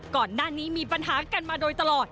ก่อนหน้านี้มีปัญหากันมาโดยตลอด